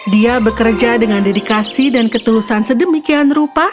dia bekerja dengan dedikasi dan ketulusan sedemikian rupa